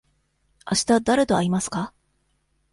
あしただれと会いますか。